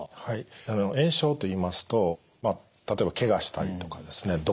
はい炎症といいますと例えばけがしたりとかですね